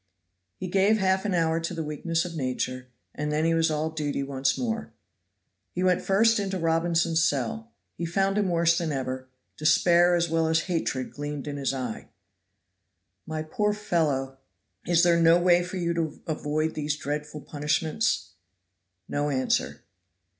He gave half an hour to the weakness of nature, and then he was all duty once more. He went first into Robinson's cell. He found him worse than ever: despair as well as hatred gleamed in his eye. "My poor fellow, is there no way for you to avoid these dreadful punishments?" No answer.